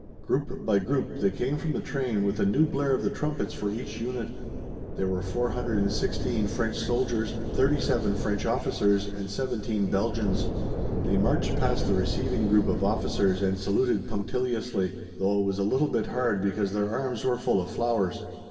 Group by group they came from the train with a new blare of the trumpets for each unit. There were 416 French soldiers, thirty seven French officers and seventeen Belgians. They marched past the receiving group of officers and saluted punctiliously, though it was a little bit hard because their arms were full of flowers.